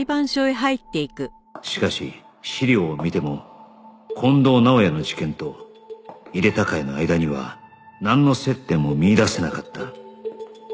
しかし資料を見ても近藤直也の事件と井手孝也の間にはなんの接点も見いだせなかった